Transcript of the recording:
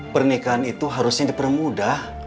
pernikahan itu harusnya dipermudah